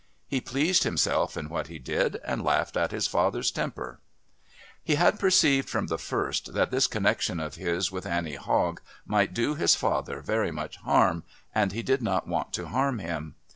He pleased himself in what he did, and laughed at his father's temper. He had perceived from the first that this connection of his with Annie Hogg might do his father very much harm, and he did not want to harm him.